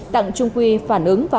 đặng trung quy phản ứng